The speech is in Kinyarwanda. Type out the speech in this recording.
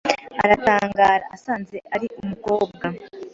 aratangara asanze ari umukobwa.